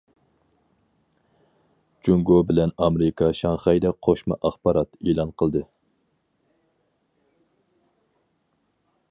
جۇڭگو بىلەن ئامېرىكا شاڭخەيدە‹‹ قوشما ئاخبارات›› ئېلان قىلدى.